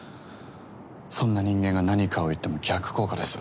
そんな人間が何かを言っても逆効果です。